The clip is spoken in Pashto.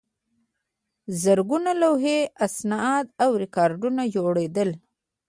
زرګونه لوحې، اسناد او ریکارډونه جوړېدل.